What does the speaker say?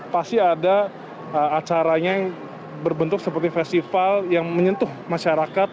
pasti ada acaranya yang berbentuk seperti festival yang menyentuh masyarakat